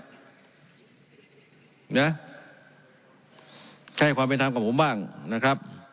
ให้ความเป็นธรรมกับผมบ้างนะครับ